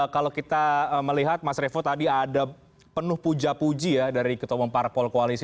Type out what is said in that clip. kalau kita melihat mas revo tadi ada penuh puja puji ya dari ketua umum parpol koalisi